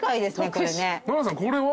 これは？